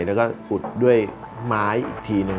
แล้วก็อุดด้วยไม้อีกทีหนึ่ง